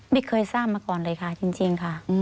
ไม่เคยทราบมาก่อนเลยค่ะจริงค่ะ